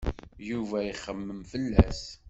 Yuba ixemmem fell-as.